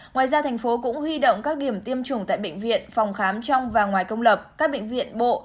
ngoài ra thành phố cũng huy động các điểm tiêm chủng tại bệnh viện phòng khám trong và ngoài công lập các bệnh viện bộ